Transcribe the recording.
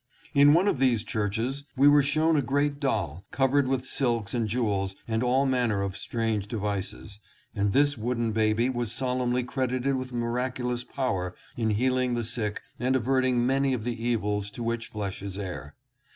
In one of these churches we were shown a great doll, covered with silks and jewels and all manner of strange devices, and this wooden baby was solemnly credited with miraculous power in healing the sick and averting many of the evils to which flesh is heir.